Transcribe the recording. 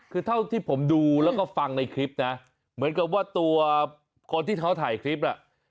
คือเท่าที่ผมดูแล้วก็ฟังในคลิปนะเหมือนกับว่าตัวคนที่เขาถ่ายคลิปน่ะ